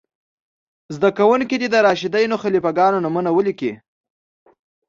زده کوونکي دې د راشدینو خلیفه ګانو نومونه ولیکئ.